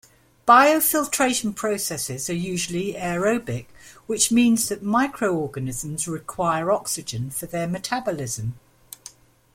Biofiltration processes are usually aerobic, which means that microorganisms require oxygen for their metabolism.